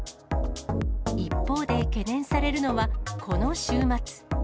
一方で、懸念されるのはこの週末。